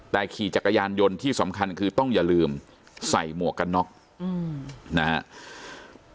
แต่ขี่จักรยานยนต์ที่สำคัญคือต้องอย่าลืมใส่หมวกกันน็อกนะครับ